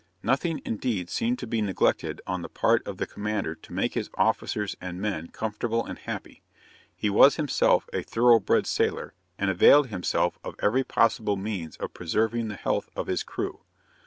Nothing, indeed, seemed to be neglected on the part of the commander to make his officers and men comfortable and happy. He was himself a thorough bred sailor, and availed himself of every possible means of preserving the health of his crew.